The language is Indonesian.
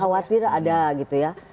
khawatir ada gitu ya